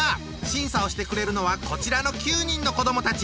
審査をしてくれるのはこちらの９人の子どもたち！